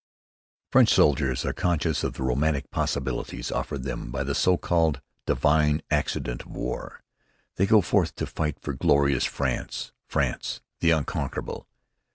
French soldiers are conscious of the romantic possibilities offered them by the so called "divine accident of war." They go forth to fight for Glorious France, France the Unconquerable!